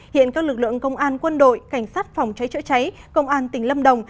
hiện các lực lượng công an quân đội cảnh sát phòng cháy chữa cháy công an tỉnh lâm đồng